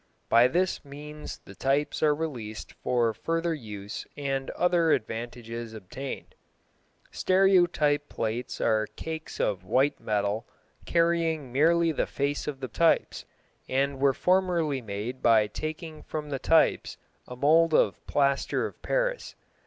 By this means the types are released for further use and other advantages obtained. Stereotype plates are cakes of white metal carrying merely the face of the types, and were formerly made by taking from the types a mould of plaster of Paris.